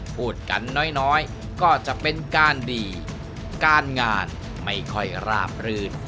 พูดกันน้อยก็จะเป็นการดีการงานไม่ค่อยราบรื่น